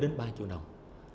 đến ba triệu đồng